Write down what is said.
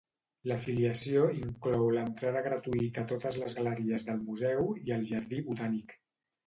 L'afiliació inclou l'entrada gratuïta a totes les galeries del museu i al jardí botànic.